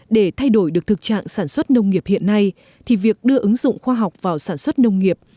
để thay đổi được thực trạng sản xuất nông nghiệp hiện nay thì việc đưa ứng dụng khoa học vào sản xuất nông nghiệp